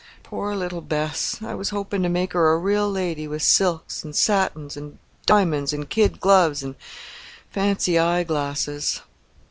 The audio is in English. Poor little Bess! I was hoping to make her a real lady with silks, an' satins, an' diamonds, an' kid gloves, an' fancy eye glasses."